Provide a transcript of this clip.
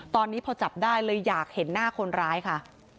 ตอนนี้พอจับได้เลยอยากเห็นหน้าคนร้ายค่ะ